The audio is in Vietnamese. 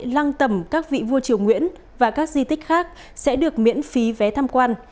lăng tầm các vị vua triều nguyễn và các di tích khác sẽ được miễn phí vé tham quan